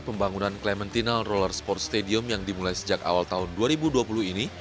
pembangunan clementinal roller sport stadium yang dimulai sejak awal tahun dua ribu dua puluh ini